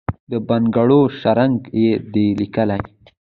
د بنګړو شرنګ یې دی لېکلی،